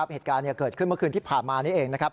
เหตุการณ์เกิดขึ้นเมื่อคืนที่ผ่านมานี้เองนะครับ